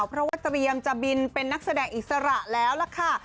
เพราะว่าเตรียมจะบินเป็นนักแสดงอิสระแล้วล่ะค่ะ